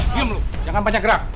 diam lu jangan banyak gerak